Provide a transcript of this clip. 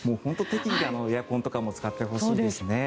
適宜、エアコンとかも使ってほしいですね。